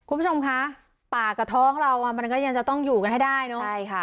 คุณผู้ชมคะปากกับท้องเราอ่ะมันก็ยังจะต้องอยู่กันให้ได้เนอะใช่ค่ะ